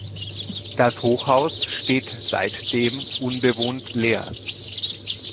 Das Hochhaus steht seitdem unbewohnt leer.